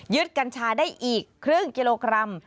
กัญชาได้อีกครึ่งกิโลกรัม